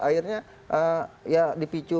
akhirnya ya dipicu